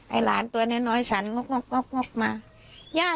ไอ่หลานตัวนั้นน้อยฉันเหงากมา